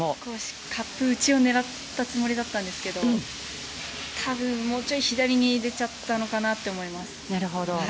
カップ内を狙ったつもりだったんですが多分もうちょっと左に出ちゃったのかなと思います。